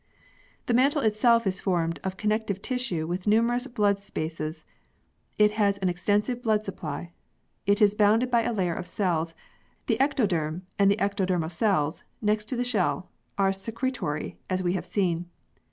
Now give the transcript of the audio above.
The mantle itself is formed of connective tissue with numerous blood spaces it has an extensive blood supply. It is bounded by a layer of cells, the ectoderm, and the ectodermal cells, next to the shell, are secretory, as we have seen.